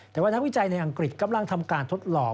แต่ว่านักวิจัยในอังกฤษกำลังทำการทดลอง